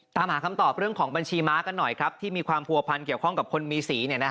ตามหาคำตอบเรื่องของบัญชีม้ากันหน่อยครับที่มีความผัวพันเกี่ยวข้องกับคนมีสี